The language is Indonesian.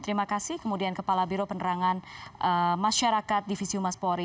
terima kasih kemudian kepala biro penerangan masyarakat divisi umas polri